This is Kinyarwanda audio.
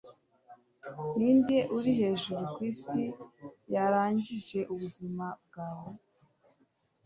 ninde uri hejuru kwisi yarangije ubuzima bwawe